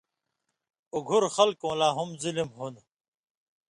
اُگُھر خلقؤں لا ہُم ظِلم ہُون٘د۔